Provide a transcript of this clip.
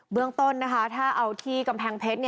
เบื้องต้นถ้าเอาที่กำแพงเพชร